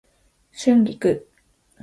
春菊